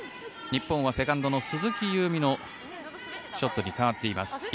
日本はセカンドの鈴木夕湖のショットに変わっています。